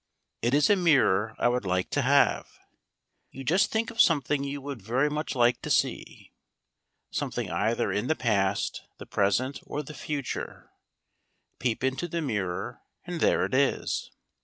It is a mirror I would like to have. You just think of something you would very much like to see; something either in the past, the present, or the future, peep into the mirror and there it is.